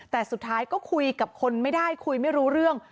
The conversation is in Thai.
แต่สุดท้ายก็คุยกับคนไม่ได้คุยไม่รู้เรื่อง